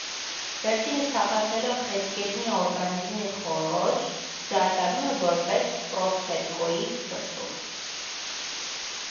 Վերջինս, թափանցելով խեցգետնի օրգանիզմի խոռոչ, զարգանում է որպես պրոցերկոիդ թրթուր։